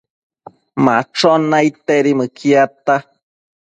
Machon naidtedi mëquiadta